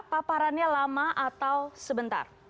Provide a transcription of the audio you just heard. paparannya lama atau sebentar